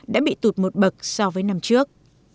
đã bị tụt một bậc so với năm trước